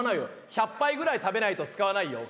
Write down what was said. １００杯ぐらい食べないと使わないよ。